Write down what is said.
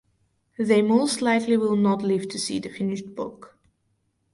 They most likely will not live to see the finished book.